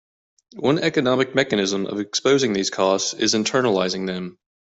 One economic mechanism of exposing these costs is internalizing them.